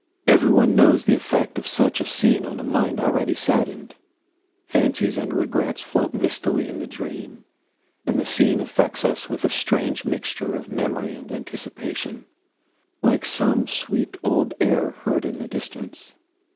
Everyone knows the effect of such a scene on a mind already saddened. Fancies and regrets float mistily in the dream, and the scene affects us with a strange mixture of memory and anticipation, like some sweet old air heard in the distance.